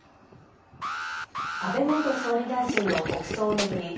安倍元総理大臣の国葬を巡り